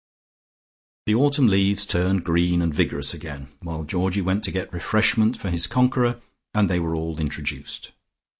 The autumn leaves turned green and vigorous again, while Georgie went to get refreshment for his conqueror, and they were all introduced.